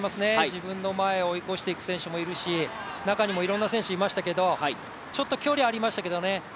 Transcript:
自分の前を追い越していく選手もいるし中にもいろんな選手いましたけどちょっと距離ありましたけどね。